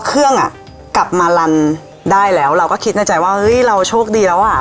เครื่องอ่ะกลับมาลันได้แล้วเราก็คิดในใจว่าเฮ้ยเราโชคดีแล้วอ่ะ